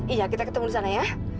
iya kita ketemu di sana ya